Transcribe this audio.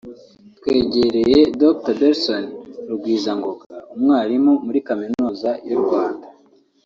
twegereye Dr Belson Rugwizangoga umwarimu muri Kaminuza y’u Rwanda